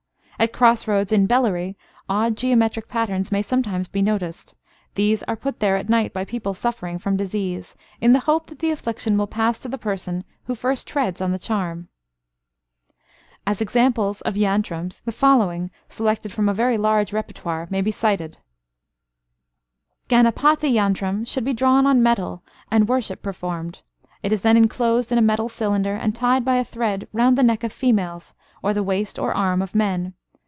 At cross roads in Bellary, odd geometric patterns may sometimes be noticed. These are put there at night by people suffering from disease, in the hope that the affliction will pass to the person who first treads on the charm. As examples of yantrams, the following, selected from a very large repertoire, may be cited: Ganapathi yantram should be drawn on metal, and worship performed. It is then enclosed in a metal cylinder, and tied by a thread round the neck of females, or the waist or arm of men.